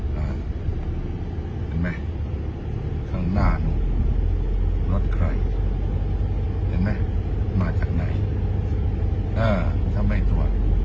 เห็นมั้ยข้างหน้านู้นรถไกลเห็นมั้ยมาจากไหนอ่าทำให้ตัว